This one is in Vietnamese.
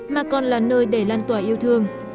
mà còn là nơi để lan tỏa yêu thương